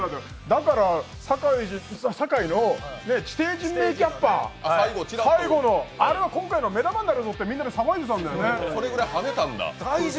だから、酒井の地底人メーキャッパー、最後の、あれは今回の目玉になるってみんなで騒いでたんだよね。